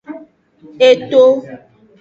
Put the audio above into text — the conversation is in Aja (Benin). Eto.